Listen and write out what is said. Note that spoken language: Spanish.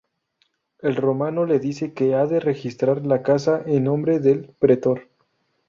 El romano le dice que ha de registrar la casa en nombre del pretor.